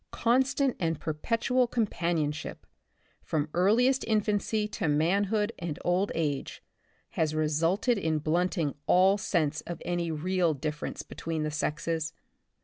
Constant and perpetual compan ionship, from earliest infancy to manhood and old age has resulted in blunting all sense of any real difference between the sexes.